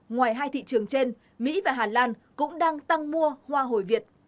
ngoài hai thị trường trên mỹ và hà lan cũng đang tăng mua hoa hồi việt